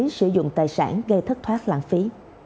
tội vi phạm quy định về quản lý sử dụng tài sản gây thất thoát lãng phí